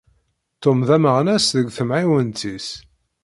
Tom d ameɣnas deg temɣiwent-is.